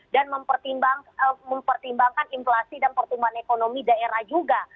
dan mempertimbangkan inflasi dan pertumbuhan ekonomi daerah juga